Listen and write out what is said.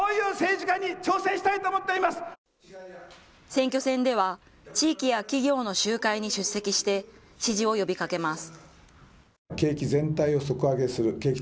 選挙戦では、地域や企業の集会に出席して支持を呼びかけます。